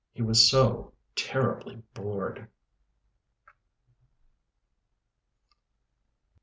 He was so terribly bored....